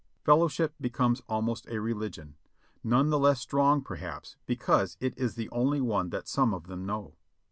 Fellowship becomes almost a religion, none the less strong, perhaps, because it is the only one that some of them know.